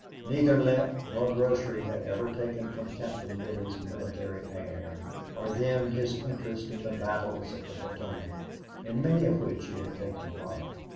Neither limp nor grocery had ever taken from Captain Billy's military air or dimmed his interest in the battles of the Potomac, in many of which he had taken part.